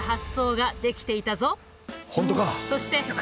本当か。